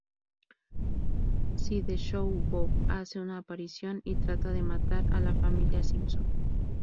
Sideshow Bob hace una aparición y trata de matar a la familia Simpson.